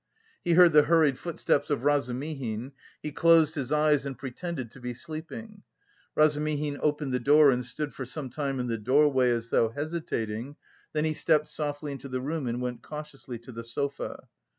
He heard the hurried footsteps of Razumihin; he closed his eyes and pretended to be asleep. Razumihin opened the door and stood for some time in the doorway as though hesitating, then he stepped softly into the room and went cautiously to the sofa.